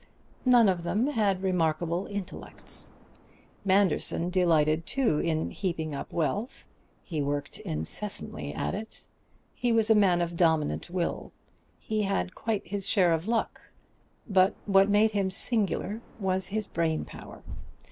None of them had remarkable intellects. Manderson delighted too in heaping up wealth; he worked incessantly at it; he was a man of dominant will; he had quite his share of luck; but what made him singular was his brain power.